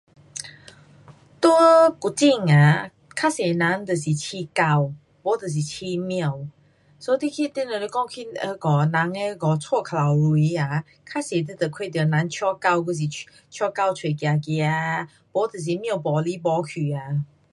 在古晋啊，较多人就是养狗。没就是养猫。so 你去，你若是讲去呃那个，人的那个家靠牢围啊，较多你就看到人带狗还是，带狗出去走走啊，还是猫爬来爬去啊。